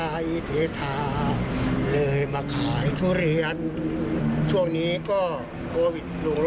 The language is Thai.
ให้พี่น้องแฟนเพลงช่วยกันอุดหนุนด้วยอย่างไรช่วยเมฆกายแฟนผม